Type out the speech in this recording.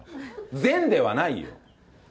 前ではないよ。